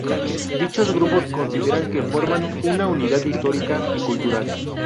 Dichos grupos consideran que forman una unidad histórica y cultural.